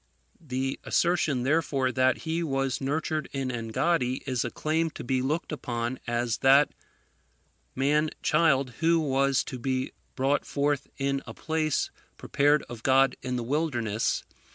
The assertion, therefore, that he was nurtured in Engaddi, is a claim to be looked upon as that man child who was to be brought forth in a place prepared of God in the wilderness.